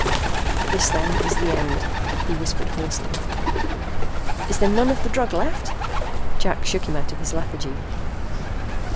"This then is the end," he whispered hoarsely. "Is there none of the drug left?" Jack shook him out of his lethargy.